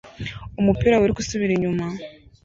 umupira wiruka usubira inyuma